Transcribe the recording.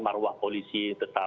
maruah polisi tersampe